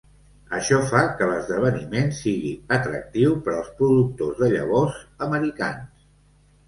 Això fa que l'esdeveniment sigui atractiu per als "productors de llavors" americans.